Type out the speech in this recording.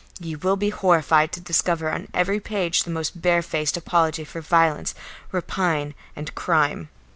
You will be horrified to discover on every page the most barefaced apology for violence, rapine, and crime.